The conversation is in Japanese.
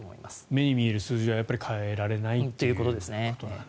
目に見える数字は変えられないということなんですね。